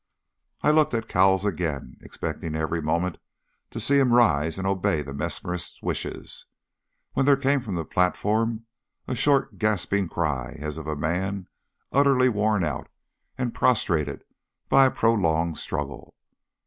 I looked at Cowles again, expecting every moment to see him rise and obey the mesmerist's wishes, when there came from the platform a short, gasping cry as of a man utterly worn out and prostrated by a prolonged struggle.